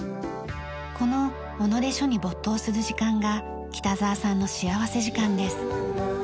この己書に没頭する時間が北澤さんの幸福時間です。